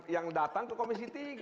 yang datang ke komisi tiga